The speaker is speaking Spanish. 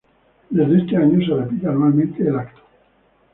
Desde ese año se repite anualmente el evento.